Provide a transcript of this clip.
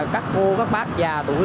các cô các bác già tuổi